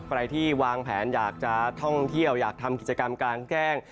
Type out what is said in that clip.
ใครที่วางแผนอยากจะท่องเที่ยวอยากทำกิจกรรมกลางแจ้ง